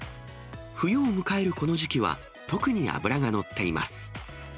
冬を迎えるこの時期は、特に脂が乗っています。